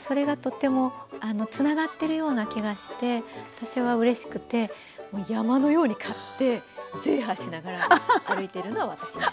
それがとってもつながってるような気がして私はうれしくてもう山のように買ってゼーハーしながら歩いてるのは私です。